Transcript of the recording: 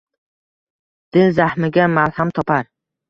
Dil zahmiga malham topar